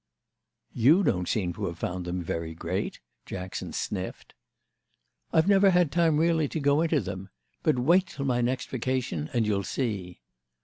"You don't seem to have found them very great," Jackson sniffed. "I've never had time really to go into them. But wait till my next vacation and you'll see."